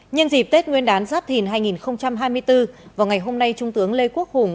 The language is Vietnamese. nhân dịp tết nguyên đán giáp thìn hai nghìn hai mươi bốn vào ngày hôm nay trung tướng lê quốc hùng